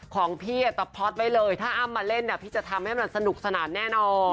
ของพี่ตะพ็อตไว้เลยถ้าอ้ำมาเล่นพี่จะทำให้มันสนุกสนานแน่นอน